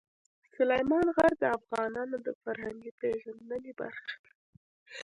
سلیمان غر د افغانانو د فرهنګي پیژندنې برخه ده.